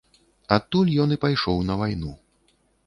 Адтуль ён і пайшоў на вайну.